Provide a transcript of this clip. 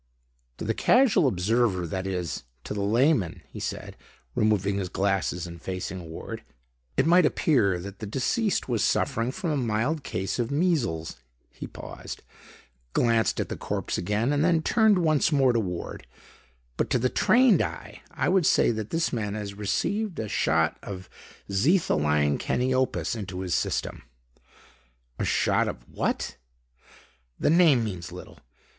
"To the casual observer, that is, to the layman," he said, removing his glasses and facing Ward, "it might appear that the deceased was suffering from a mild case of measles" he paused, glanced at the corpse again, then turned once more to Ward "but to the trained eye, I would say that this man has received a shot of xetholine caniopus into his system." "A shot of what?" "The name means little.